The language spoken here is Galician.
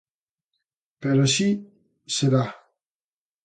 Pero así será.